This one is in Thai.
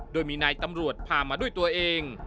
โดยมีนายตำรวจพามาด้วยตัวเอง